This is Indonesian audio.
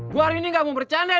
gua hari ini gak mau bercanda